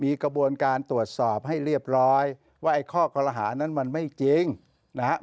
มีกระบวนการตรวจสอบให้เรียบร้อยว่าไอ้ข้อคอรหานั้นมันไม่จริงนะครับ